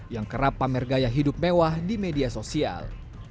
yang kerap pamer gaya hidup mewah di media sosial